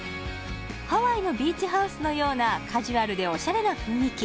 ハワイのビーチハウスのようなカジュアルでオシャレな雰囲気